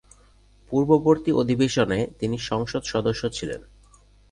পূর্ববর্তী অধিবেশনে তিনি সংসদ সদস্য ছিলেন।